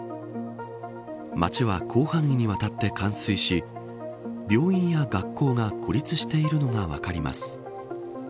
街は広範囲にわたって冠水し病院や学校が孤立しているのが分かります。